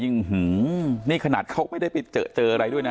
ยิ่งหืมนี่ขนาดเขาไม่ได้ไปเจออะไรด้วยนะ